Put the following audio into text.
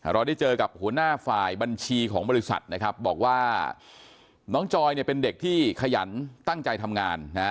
เราได้เจอกับหัวหน้าฝ่ายบัญชีของบริษัทนะครับบอกว่าน้องจอยเนี่ยเป็นเด็กที่ขยันตั้งใจทำงานนะฮะ